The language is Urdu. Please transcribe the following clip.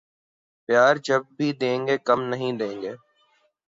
پیار جب بھی دینگے کم نہیں دینگے